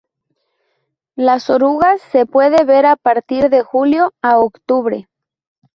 Las orugas se puede ver a partir de julio a octubre.